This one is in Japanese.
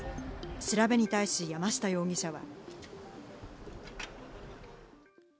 調べに対し山下容疑者は。